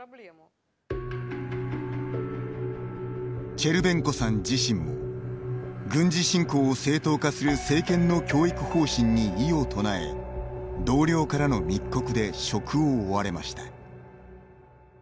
チェルベンコさん自身も軍事侵攻を正当化する政権の教育方針に異を唱え同僚からの密告で職を追われました。